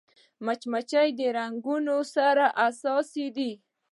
مچمچۍ د رنګونو سره حساسه ده